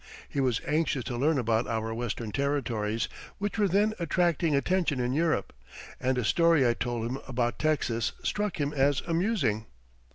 He was anxious to learn about our Western Territories, which were then attracting attention in Europe, and a story I told him about Texas struck him as amusing.